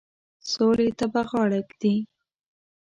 سولي ته به غاړه ایږدي.